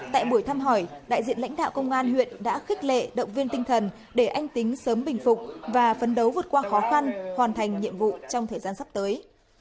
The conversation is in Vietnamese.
tại buổi thăm hỏi đại diện lãnh đạo công an huyện đã khích lệ động viên tinh thần để anh tính sớm bình phục và phấn đấu vượt qua khó khăn hoàn thành nhiệm vụ trong thời gian sắp tới